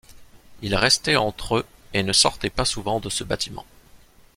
Ils restaient entre eux et ne sortaient pas souvent de ce bâtiment.